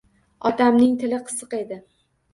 Otamning tili qisiq edi